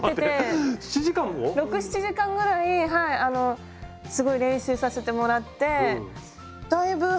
６７時間ぐらいはいあのすごい練習させてもらってだいぶはい。